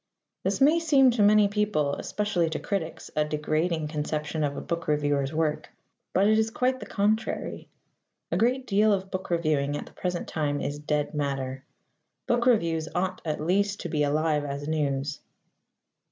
This may seem to many people especially to critics a degrading conception of a book reviewer's work. But it is quite the contrary. A great deal of book reviewing at the present time is dead matter. Book reviews ought at least to be alive as news.